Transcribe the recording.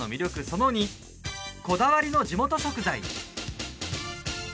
その２こだわりの地元食材。